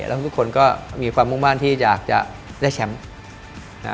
และทุกคนมีความมุ่งบ้านที่อยากที่ได้แชมป์